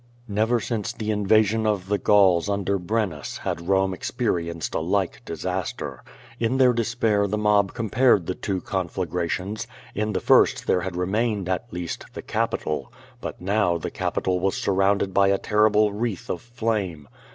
Never since the invasion of the Oauls under Brennus had Borne experienced a like disaster. In their despair the mob compared the two conflagrations. In the first there had re mained, at least, the Capitol. But, now, the Capitol was sur rounded by a terrible wreath of flame.